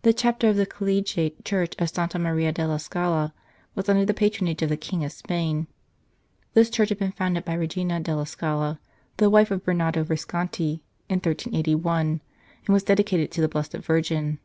The Chapter of the collegiate The Commencement of the Struggle church of Santa Maria della Scala was under the patronage of the King of Spain. This church had been founded by Regina della Scala, the wife of Bernabo Visconti, in 1381, and was dedicated to the Blessed Virgin.